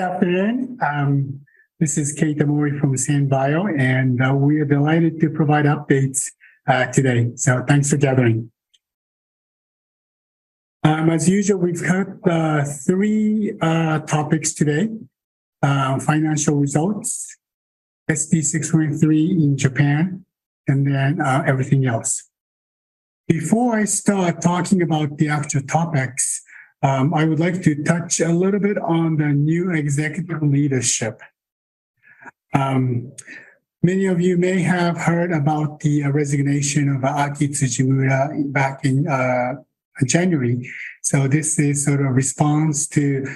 Good afternoon. This is Kate from SanBio, and we are delighted to provide updates today. Thanks for gathering. As usual, we've got three topics today: financial results, SB623 in Japan, and then everything else. Before I start talking about the actual topics, I would like to touch a little bit on the new executive leadership. Many of you may have heard about the resignation of Aki Tsujimura back in January. This is sort of a response to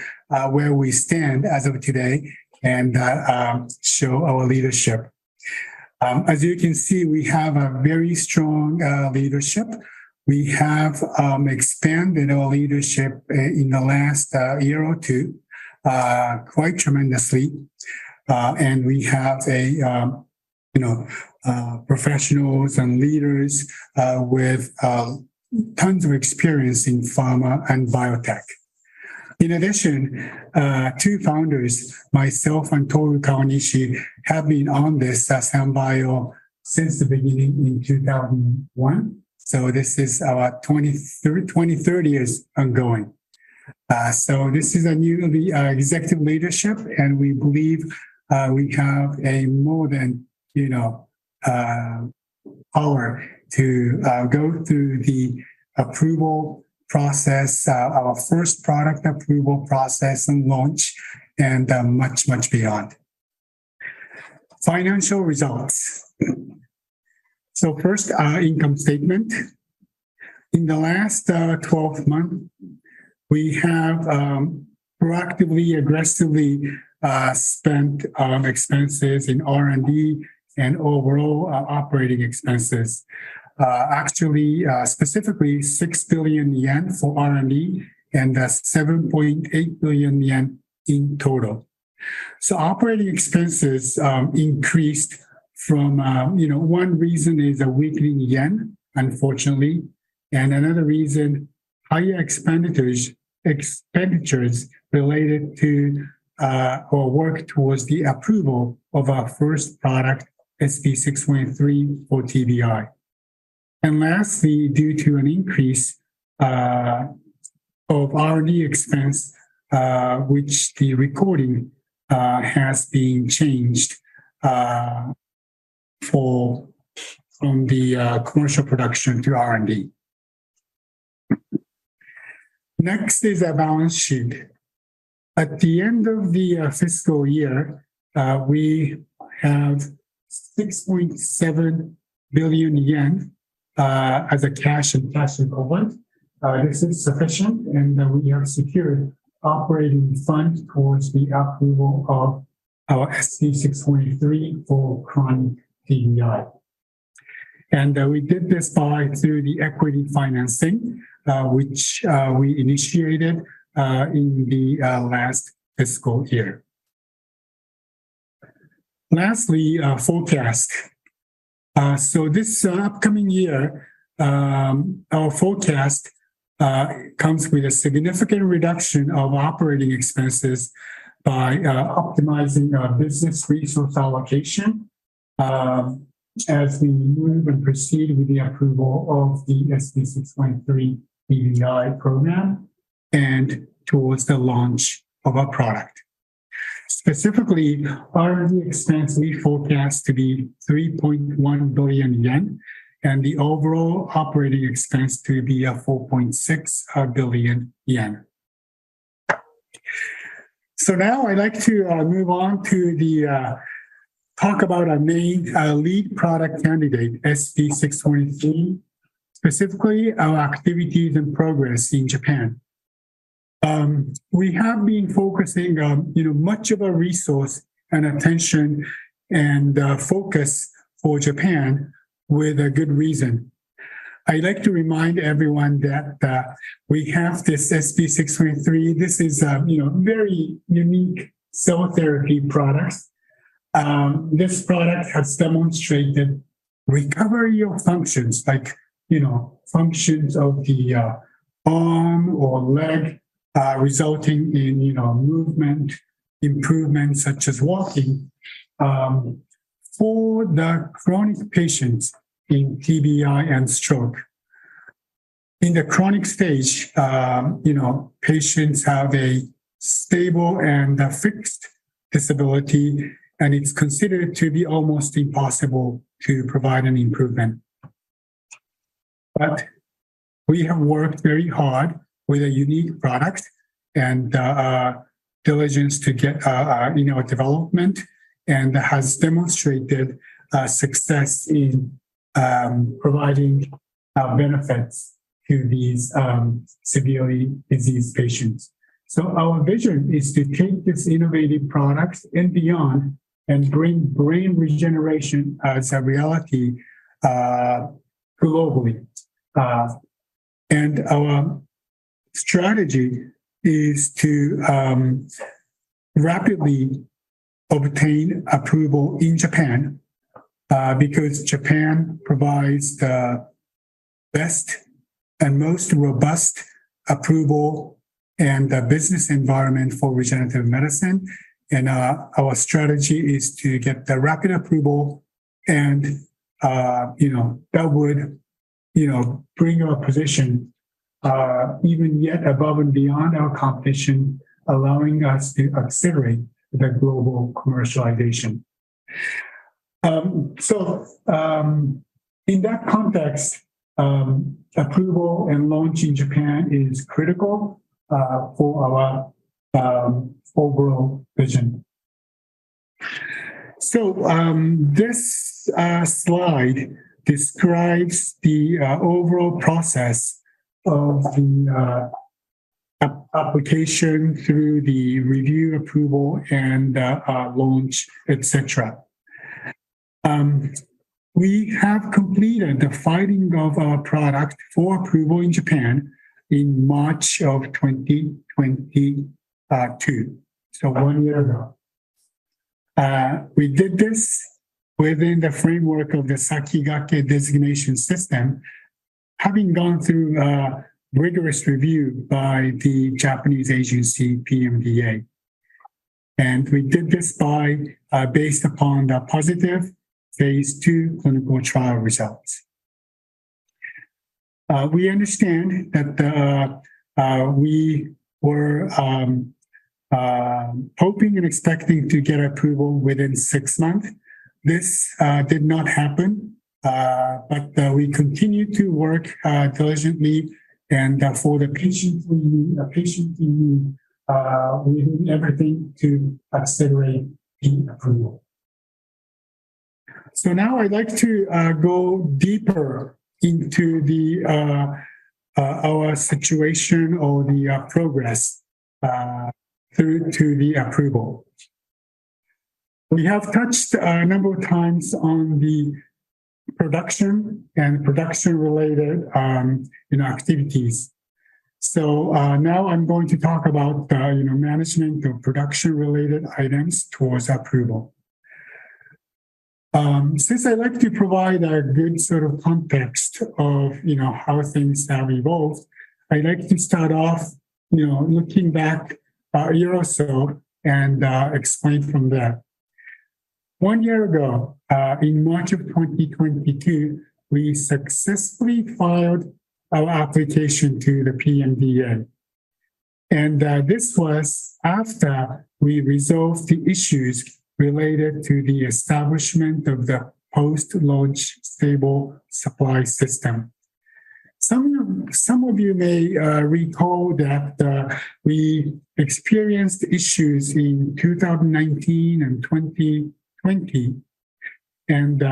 where we stand as of today and show our leadership. As you can see, we have a very strong leadership. We have expanded our leadership in the last year or two quite tremendously. We have professionals and leaders with tons of experience in pharma and biotech. In addition, two founders, myself and Toru Kawamichi, have been on this SanBio since the beginning in 2001. This is our 23rd year ongoing. This is a new executive leadership, and we believe we have more than, you know, an hour to go through the approval process, our first product approval process and launch, and much, much beyond. Financial results. First, our income statement. In the last 12 months, we have proactively, aggressively spent expenses in R&D and overall operating expenses. Specifically, 6 billion yen for R&D and 7.8 billion yen in total. Operating expenses increased for one reason: the weakening yen, unfortunately. Another reason is higher expenditures related to our work towards the approval of our first product, SB623 for TBI. Lastly, due to an increase of R&D expense, which the recording has been changed from the commercial production to R&D. Next is a balance sheet. At the end of the fiscal year, we have 6.7 billion yen as cash and passives over. This is sufficient, and we have secured operating funds towards the approval of our SB623 for chronic traumatic brain injury. We did this through the equity financing, which we initiated in the last fiscal year. Lastly, forecast. This upcoming year, our forecast comes with a significant reduction of operating expenses by optimizing our business resource allocation as we move and proceed with the approval of the SB623 TBI program and towards the launch of our product. Specifically, R&D expense we forecast to be 3.1 billion yen, and the overall operating expense to be 4.6 billion yen. Now I'd like to move on to talk about our main lead product candidate, SB623, specifically our activities and progress in Japan. We have been focusing much of our resource and attention and focus for Japan with a good reason. I'd like to remind everyone that we have this SB623. This is a very unique cell therapy product. This product has demonstrated recovery of functions, like, you know, functions of the arm or leg, resulting in, you know, movement improvements such as walking for the chronic patients in TBI and stroke. In the chronic stage, you know, patients have a stable and fixed disability, and it's considered to be almost impossible to provide an improvement. We have worked very hard with a unique product and diligence to get, you know, development and has demonstrated success in providing benefits to these severely diseased patients. Our vision is to take this innovative product and beyond and bring brain regeneration as a reality, globally. Our strategy is to rapidly obtain approval in Japan, because Japan provides the best and most robust approval and the business environment for regenerative medicine. Our strategy is to get the rapid approval and, you know, that would, you know, bring our position, even yet above and beyond our competition, allowing us to accelerate the global commercialization. In that context, approval and launch in Japan is critical for our overall vision. This slide describes the overall process of the application through the review, approval, and launch, etc. We have completed the filing of our product for approval in Japan in March of 2022, so one year ago. We did this within the framework of the Sakigake designation system, having gone through a rigorous review by the Japanese agency, PMDA. We did this by, based upon the positive Phase 2 clinical trial results. We understand that we were hoping and expecting to get approval within six months. This did not happen. We continued to work diligently and, for the patient need, we did everything to accelerate the approval. Now I'd like to go deeper into our situation or the progress through to the approval. We have touched a number of times on the production and production-related activities. Now I'm going to talk about the management of production-related items towards approval. Since I'd like to provide a good sort of context of, you know, how things have evolved, I'd like to start off, you know, looking back a year or so and explain from there. One year ago, in March of 2022, we successfully filed our application to the PMDA. This was after we resolved the issues related to the establishment of the post-launch stable supply system. Some of you may recall that we experienced issues in 2019 and 2020, and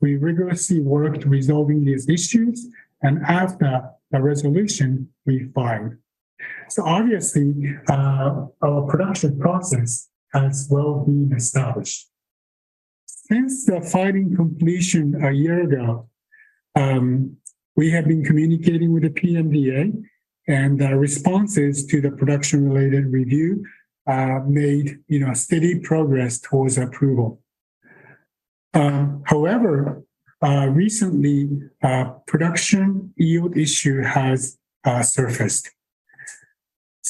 we rigorously worked resolving these issues. After the resolution, we filed. Obviously, our production process has well been established. Since the filing completion a year ago, we have been communicating with the PMDA, and the responses to the production-related review made steady progress towards approval. However, recently, production yield issue has surfaced.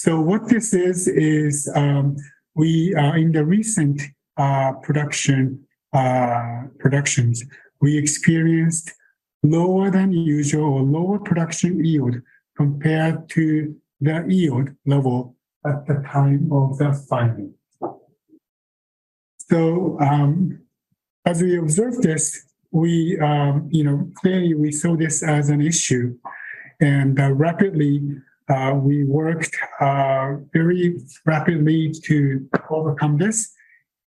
What this is, is, in the recent production, productions, we experienced lower than usual or lower production yield compared to the yield level at the time of the filing. As we observed this, clearly we saw this as an issue. Rapidly, we worked very rapidly to overcome this.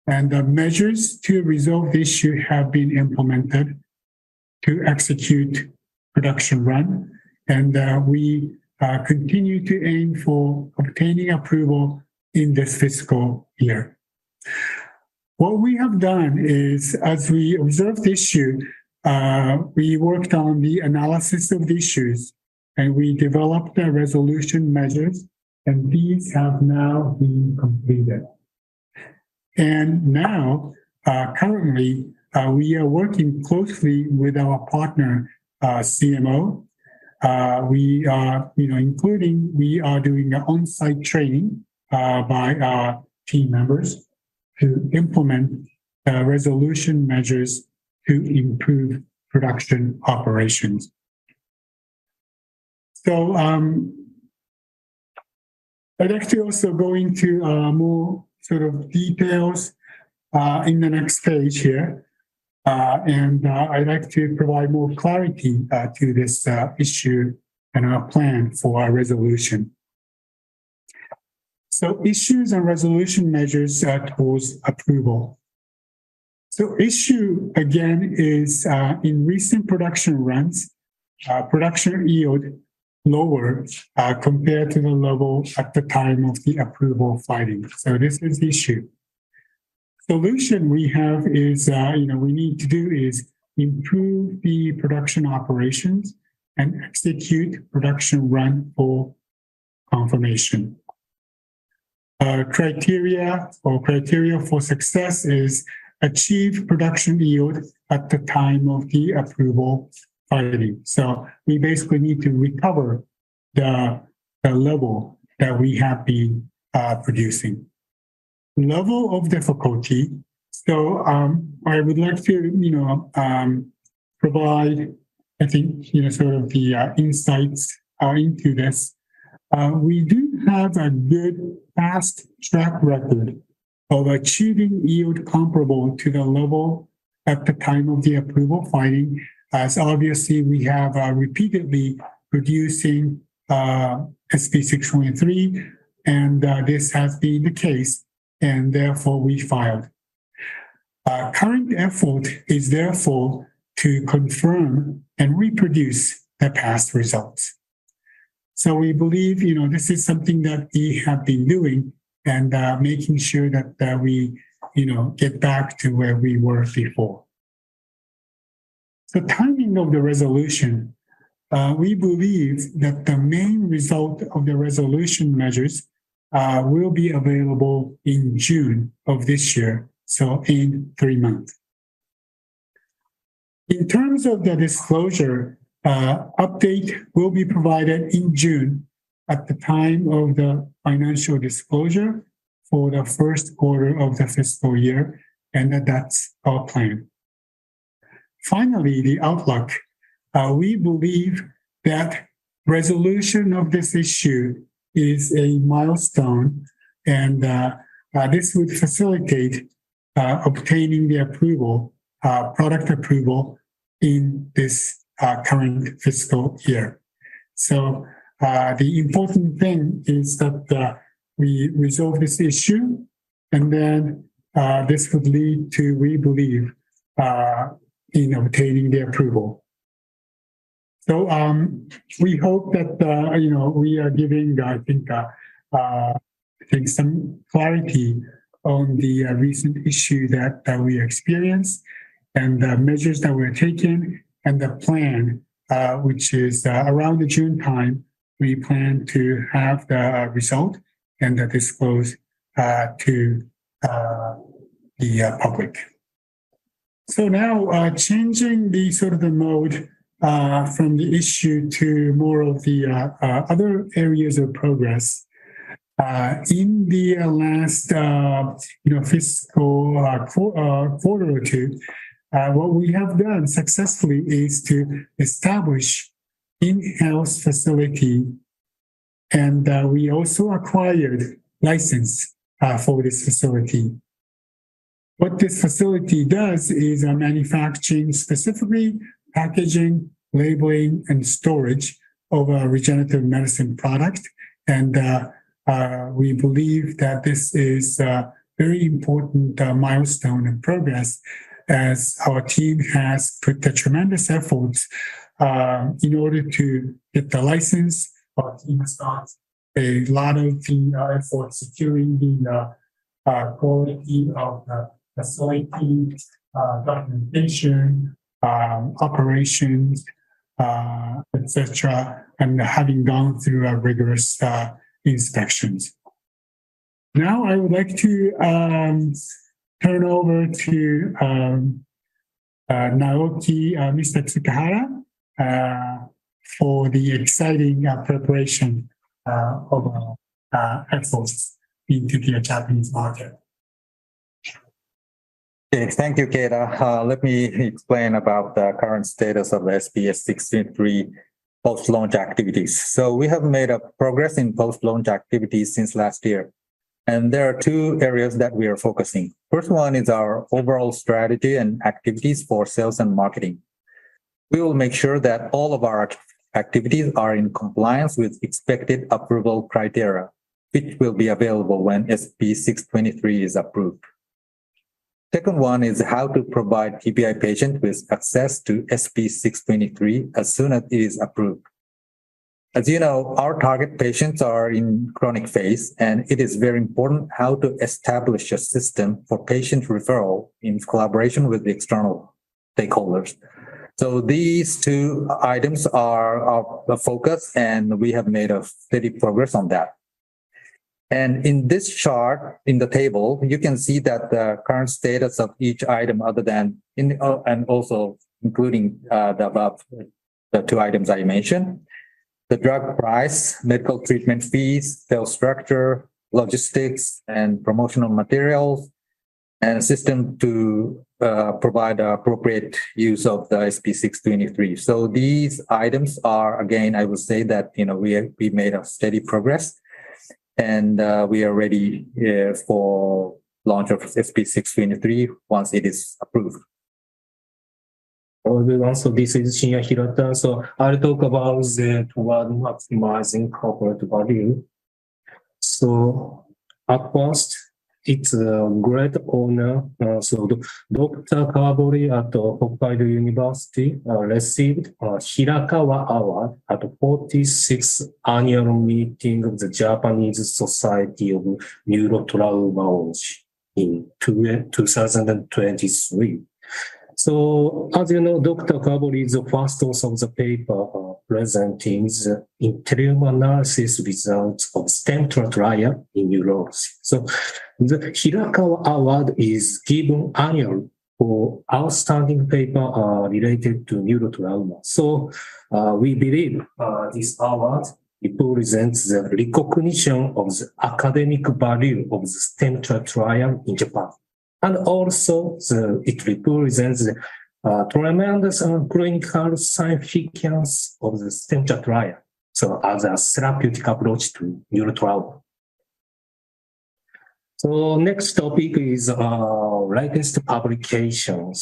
The measures to resolve the issue have been implemented to execute production run. We continue to aim for obtaining approval in this fiscal year. What we have done is, as we observed the issue, we worked on the analysis of the issues, and we developed the resolution measures, and these have now been completed. Currently, we are working closely with our partner, CMO. We are doing the on-site training by team members to implement resolution measures to improve production operations. I'd like to also go into more sort of details in the next stage here. I'd like to provide more clarity to this issue and our plan for a resolution. Issues and resolution measures towards approval. Issue, again, is, in recent production runs, production yield lower compared to the level at the time of the approval filing. This is the issue. Solution we have is, we need to do is improve the production operations and execute production run for confirmation. Criteria or criteria for success is achieved production yield at the time of the approval already. We basically need to recover the level that we have been producing. Level of difficulty. I would like to provide, I think, sort of the insights into this. We do have a good, fast track record of achieving yield comparable to the level at the time of the approval filing. Obviously, we have repeatedly producing SB623, and this has been the case, and therefore we filed. Our current effort is therefore to confirm and reproduce the past results. We believe this is something that we have been doing and making sure that we get back to where we were before. The timing of the resolution, we believe that the main result of the resolution measures will be available in June of this year, in three months. In terms of the disclosure, update will be provided in June at the time of the financial disclosure for the first quarter of the fiscal year, and that's our plan. Finally, the outlook. We believe that resolution of this issue is a milestone, and this would facilitate obtaining the approval, product approval in this coming fiscal year. The important thing is that we resolve this issue, and then this would lead to, we believe, in obtaining the approval. We hope that we are giving, I think, some clarity on the recent issue that we experienced and the measures that were taken and the plan, which is around the June time, we plan to have the result and disclose to the public. Now, changing the sort of the mode from the issue to more of the other areas of progress, in the last fiscal quarter or two, what we have done successfully is to establish an in-house facility, and we also acquired license for this facility. What this facility does is manufacturing, specifically packaging, labeling, and storage of our regenerative medicine product. We believe that this is a very important milestone in progress as our team has put the tremendous efforts in order to get the license. Our team has done a lot of the effort securing the quality of the facility, documentation, operations, etc., and having gone through a rigorous inspection. Now I would like to turn over to Naoki Tsukahara for the exciting preparation of our efforts into the Japanese market. Okay. Thank you, Keita. Let me explain about the current status of SB623 post-launch activities. We have made progress in post-launch activities since last year, and there are two areas that we are focusing on. The first one is our overall strategy and activities for sales and marketing. We will make sure that all of our activities are in compliance with expected approval criteria, which will be available when SB623 is approved. The second one is how to provide TBI patients with access to SB623 as soon as it is approved. As you know, our target patients are in the chronic phase, and it is very important how to establish a system for patient referral in collaboration with the external stakeholders. These two items are of focus, and we have made steady progress on that. In this chart in the table, you can see the current status of each item, including the two items I mentioned: the drug price, medical treatment fees, sales structure, logistics, promotional materials, and assistance to provide the appropriate use of SB623. These items are, again, I would say that we have made steady progress, and we are ready for launch of SB623 once it is approved. I'll be once of this is Shinya Hirata. I'll talk about the one maximizing corporate value. At first, it's a great honor. Dr. Kabori at Hokkaido University received a Hirakawa Award at the 46th annual meeting of the Japanese Society of Neurotrauma in 2023. As you know, Dr. Kabori is the first author of the paper presenting the interim analysis results of stem cell trial in neurosis. The Hirakawa Award is given annually for outstanding papers related to neurotrauma. We believe this award represents the recognition of the academic value of the stem cell trial in Japan. It also represents the tremendous clinical significance of the stem cell trial as a therapeutic approach to neurotrauma. Next topic is our latest publication.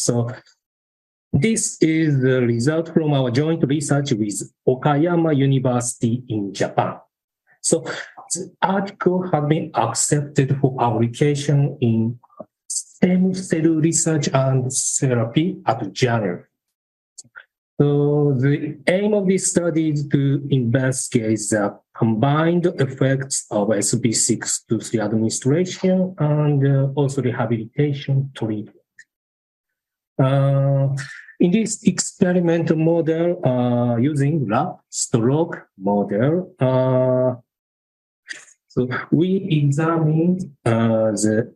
This is the result from our joint research with Okayama University in Japan. The article has been accepted for publication in Stem Cell Research and Therapy at JANED. The aim of this study is to investigate the combined effects of SB623 administration and also rehabilitation treatment. In this experimental model, using the stroke model, we examine the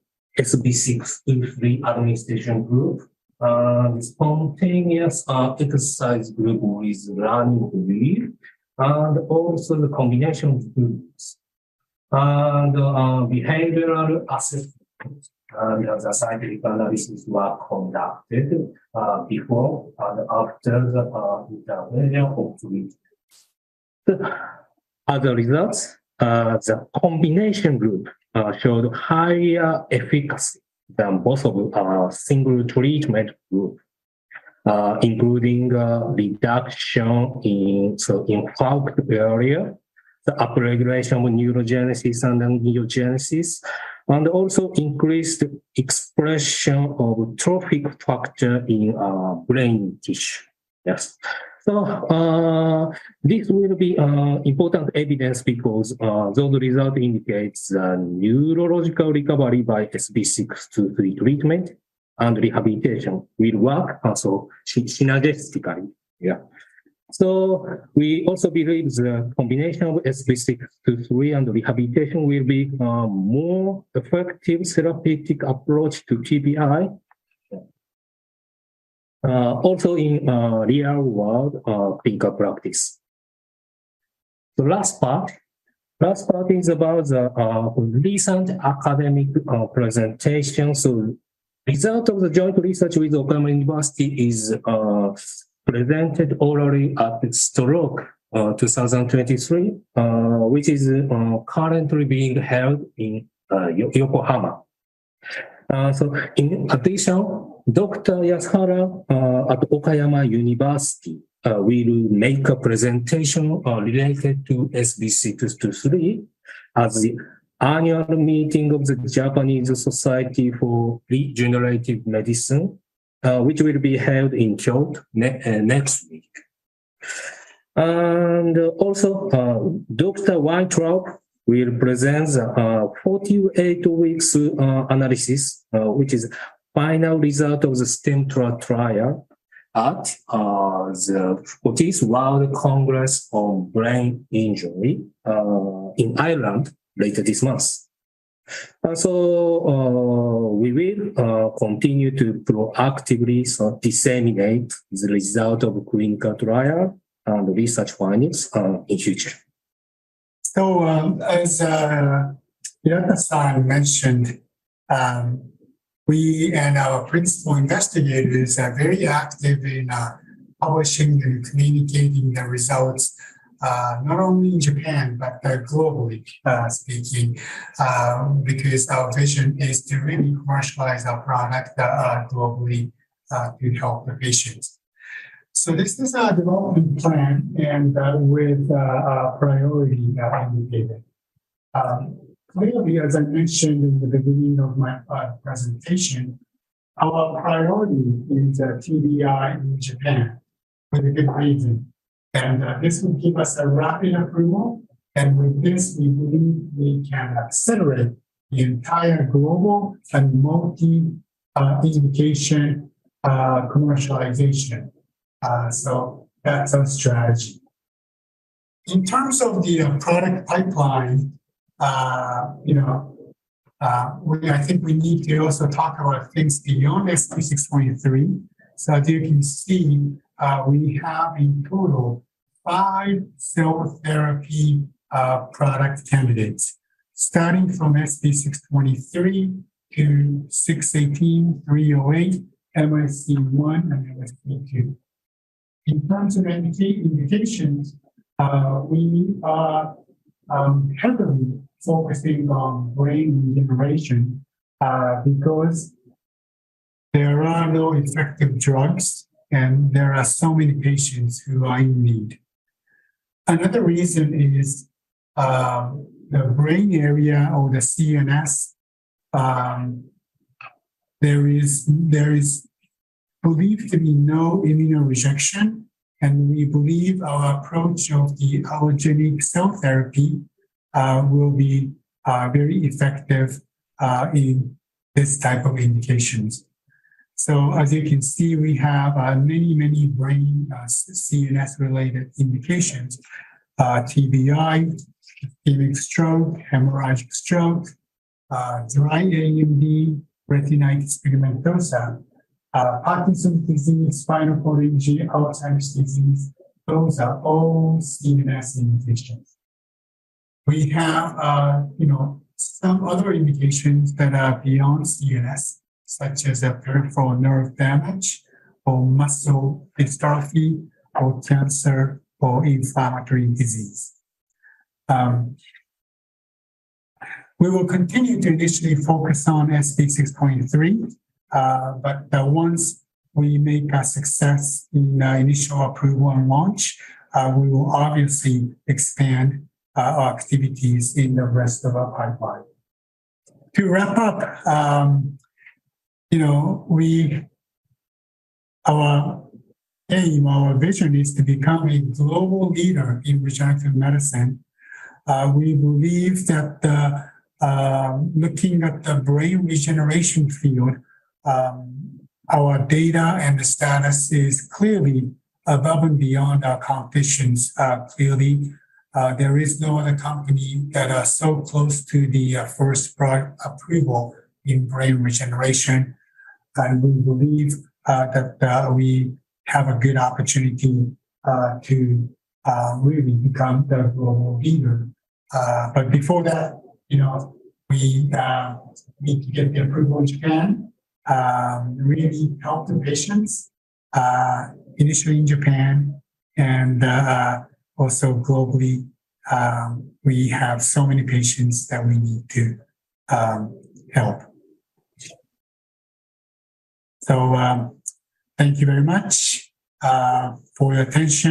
SB623 administration group and spontaneous exercise group with running wheel and also the combination groups. The behavioral assessment and the psychological analysis were conducted before and after the intervention of treatment. Other results, the combination group showed higher efficacy than both of our single treatment groups, including the reduction in the impulse barrier, the upregulation of neurogenesis and angiogenesis, and also increased expression of trophic factor in brain tissue. This will be an important evidence because those results indicate that neurological recovery by SB623 treatment and rehabilitation will work, so shinagesically. We also believe the combination of SB623 and rehabilitation will be a more effective therapeutic approach to TBI, also in a real-world clinical practice. The last part is about the recent academic presentation. The result of the joint research with Okayama University is presented orally at the Stroke 2023, which is currently being held in Yokohama. In addition, Dr. Yasuhara at Okayama University will make a presentation related to SB623 at the annual meeting of the Japanese Society for Regenerative Medicine, which will be held in Kyoto next week. Dr. Wang Qiao will present the 48-week analysis, which is the final result of the stem cell trial at the 40th World Congress on Brain Injury, in Ireland later this month. We will continue to proactively disseminate the result of clinical trial and research findings in the future. As Hirota's father mentioned, we and our principal investigators are very active in publishing and communicating the results, not only in Japan but globally, because our vision is to really commercialize our product globally to help the patient. This is a development plan with a priority under this. Maybe as I mentioned in the beginning of my presentation, our priority is the TBI in Japan for the good reason. This would give us a rapid approval. With this, we believe we can accelerate the entire global and multi communication, commercialization. That's our strategy. In terms of the applied pipeline, I think we need to also talk about things beyond SB623. As you can see, we have in total five cell therapy product candidates, starting from SB623 to SB618, SB308, MSC1, and MSC2. In terms of medication, we are heavily focusing on brain regeneration because there are no effective drugs, and there are so many patients who are in need. The other reason is the brain area or the CNS, there is believed to be no immunorejection, and we believe our approach of the allogeneic cell therapy will be very effective in this type of indications. As you can see, we have many brain, CNS-related indications: TBI, ischemic stroke, hemorrhagic stroke, dry AMD, retinitis pigmentosa, Parkinson's disease, spinal cord injury, Alzheimer's disease. Those are all CNS indications. We have some other indications that are beyond CNS, such as peripheral nerve damage or muscle dystrophy or cancer or inflammatory disease. We will continue to initially focus on SB623, but once we make that success in the initial approval and launch, we will obviously expand our activities in the rest of our pipeline. To wrap up, our aim, our vision is to become a global leader in regenerative medicine. We believe that, looking at the brain regeneration field, our data and the status is clearly above and beyond our competition's ability. There is no other company that is so close to the first product approval in brain regeneration. We believe that we have a good opportunity to really become the global leader. Before that, we need to get the approval in Japan, really help the patients, initially in Japan and also globally. We have so many patients that we need to help. Thank you very much for your attention.